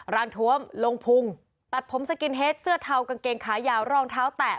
ร้านท้วมลงพุงตัดผมสกินเฮดเสื้อเทากางเกงขายาวรองเท้าแตะ